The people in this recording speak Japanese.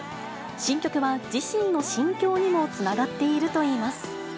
新曲は自身の心境にもつながっているといいます。